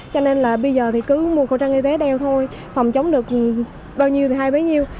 cho nên là bây giờ thì cứ mua khẩu trang y tế đeo thôi phòng chống được bao nhiêu thì hai bao nhiêu